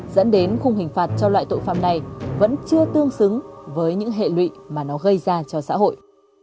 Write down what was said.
dẫn đến khung hình phạt cho loại tội phạm này vẫn chưa tương xứng với những hệ lụy mà nó gây ra cho xã hội